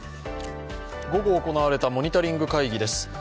午後行われたモニタリング会議です。